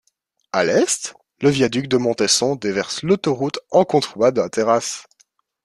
À l'est, le viaduc de Montesson déverse l'autoroute en contrebas de la terrasse.